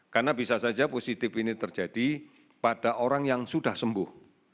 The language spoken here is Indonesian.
karena bisa saja positif ini terjadi pada orang yang sudah sembuh